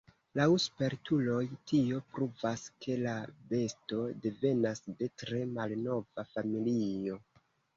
Laŭ spertuloj tio pruvas, ke la besto devenas de tre malnova familio.